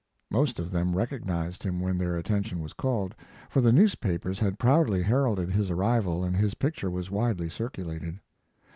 Most of them recognized him when their attention was called, for the newspapers had proudly heralded his arrival and his picture was widely circulated.